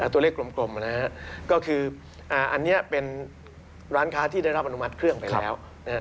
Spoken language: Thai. ตัวเลขกลมก็คืออันนี้เป็นร้านค้าที่ได้รับอนุมัติเครื่องไปแล้ว